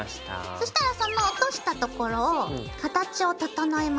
そしたらその落としたところを形を整えます。